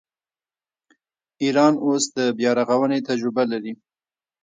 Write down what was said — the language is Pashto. ایران اوس د بیارغونې تجربه لري.